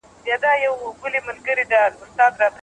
يور د ليوره مېرمن